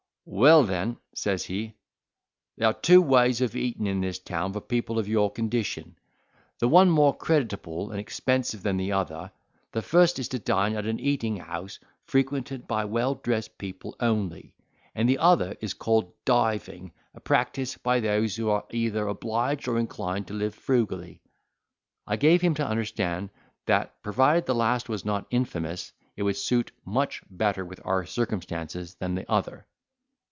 "Well, then," says he, "there are two ways of eating in this town for people of your condition—the one more creditable and expensive than the other: the first is to dine at an eating house frequented by well dressed people only; and the other is called diving, practised by those who are either obliged or inclined to live frugally." I gave him to understand that, provided the last was not infamous, it would suit much better with our circumstances than the other.